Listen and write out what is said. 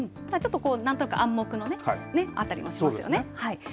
何となく暗黙のあったりもしますよね。